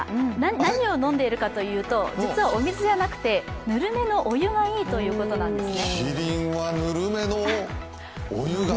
何を飲んでいるかというと実はお水じゃなくて、ぬるめのお湯がいいということなんですね。